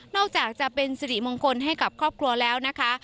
อกจากจะเป็นสิริมงคลให้กับครอบครัวแล้วนะคะ